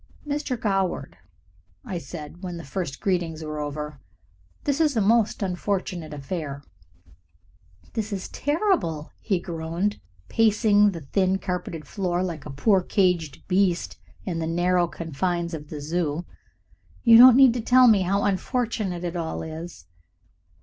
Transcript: "Mr. Goward," I said, when the first greetings were over, "this is a most unfortunate affair." "It is terrible," he groaned, pacing the thin carpeted floor like a poor caged beast in the narrow confines of the Zoo. "You don't need to tell me how unfortunate it all is."